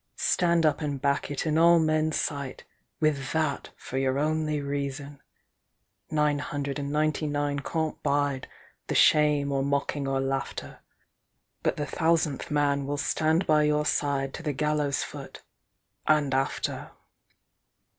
Stand up and back it in all men's sight—With that for your only reason! Nine hundred and ninety nine can't bideThe shame or mocking or laughter, But the Thousandth Man will stand by your sideTo the gallows foot—and after!